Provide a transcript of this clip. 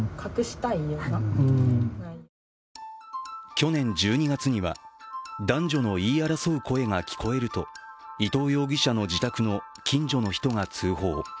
去年１２月には、男女の言い争う声が聞こえると伊藤容疑者の自宅の近所の人が通報。